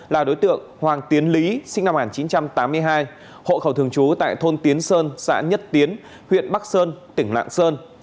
là đối tượng hoàng tiến lý sinh năm một nghìn chín trăm tám mươi hai hộ khẩu thường trú tại thôn tiến sơn xã nhất tiến huyện bắc sơn tỉnh lạng sơn